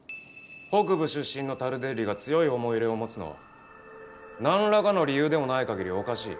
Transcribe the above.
北部出身のタルデッリが強い思い入れを持つのは何らかの理由でもないかぎりおかしい。